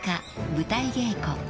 ［舞台稽古］